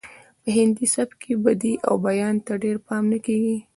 په هندي سبک کې بدیع او بیان ته ډیر پام نه کیږي